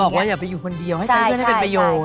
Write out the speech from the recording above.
นี่คุณบอกว่าอยากไปอยู่คนเดียวให้ใช้เพื่อนให้เป็นประโยชน์